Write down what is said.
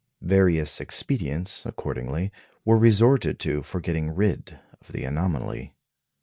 Various expedients, accordingly, were resorted to for getting rid of the anomaly.